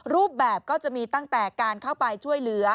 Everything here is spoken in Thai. รูปแบบก็จะมีตั้งแต่การเข้าไปช่วยเหลือ